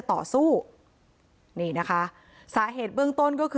โปรดติดตามต่อไป